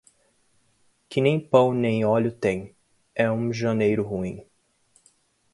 Quem nem pão nem óleo tem, é um janeiro ruim.